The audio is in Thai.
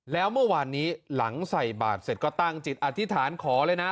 แล้วเมื่อวานนี้หลังใส่บาทเสร็จก็ตั้งจิตอธิษฐานขอเลยนะ